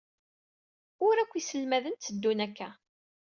Ur akk iselmaden tteddun akka.